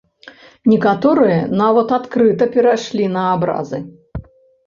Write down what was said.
Некаторыя нават адкрыта перайшлі на абразы.